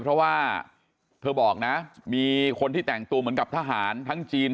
เพราะว่าเธอบอกนะมีคนที่แต่งตัวเหมือนกับทหารทั้งจีน